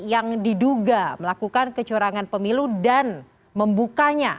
yang diduga melakukan kecurangan pemilu dan membukanya